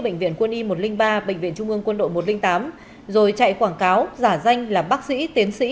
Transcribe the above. bệnh viện quân y một trăm linh ba bệnh viện trung ương quân đội một trăm linh tám rồi chạy quảng cáo giả danh là bác sĩ tiến sĩ